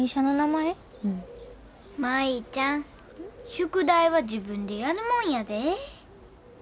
宿題は自分でやるもんやで。